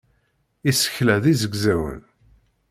Isekla d izegzawen.